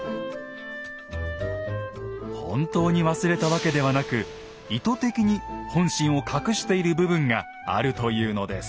本当に忘れたわけではなく意図的に本心を隠している部分があるというのです。